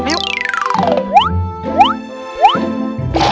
tunggu tunggu tunggu